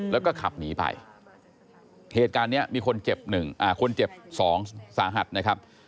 แล้วก็ขับหนีไปเหตุการณ์นี้มีคนเจ็บ๑คนเจ็บ๒สาหัสนะครับ